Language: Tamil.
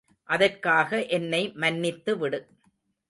அதற்காக என்னை மன்னித்துவிடு.